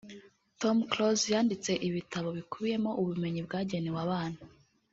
Tom Close yanditse ibitabo bikubiyemo ubumenyi bwagenewe abana